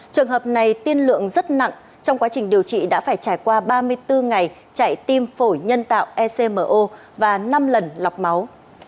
trường hợp này tiên lượng rất nặng trong quá trình điều trị đã phải trải qua ba mươi bốn ngày chạy tim phổi nhân tạo ecmo và năm lần lọc máu